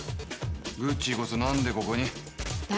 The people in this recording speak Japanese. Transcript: グッチーこそ何でここに？